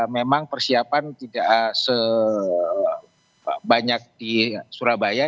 memang persiapan tidak sebanyak di surabaya